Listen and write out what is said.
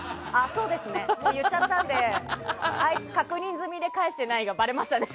もう言っちゃったのであいつ確認済みで返してないのがばれましたね。